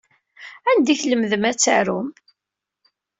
Anda ay tlemdem ad tarum?